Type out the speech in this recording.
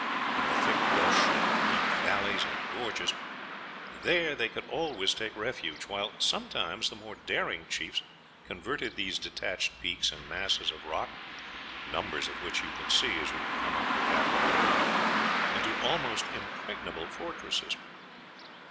In the thick bush and deep valleys and gorges there they could always take refuge, while sometimes the more daring chiefs converted these detached peaks and masses of rock, numbers of which you can see as you come up the Ghaut by railway, into almost impregnable fortresses.